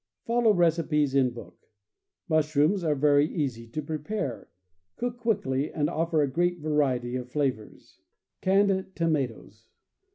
Follow recipes in book. Mushrooms are very easy to prepare, cook quickly, and offer a great variety of flavors. Canned Tomatoes.